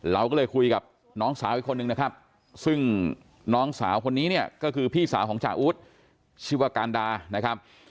เราก็เลยคุยกับน้องสาวอีกคนนึงนะครับซึ่งน้องสาวคนนี้เนี่ยก็คือพี่สาวของจาอู๊ดชื่อว่าการดานะครับ